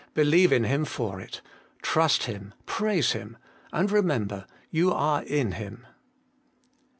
Believe in Him for it ; trust Him, praise Him. And remember i you are in Him.